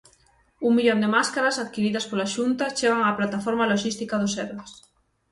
Un millón de máscaras adquiridas pola Xunta chegan á plataforma loxística do Sergas.